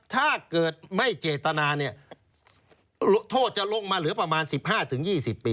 ถ้าเกิดไม่เจตนาเนี่ยโทษจะลงมาเหลือประมาณ๑๕๒๐ปี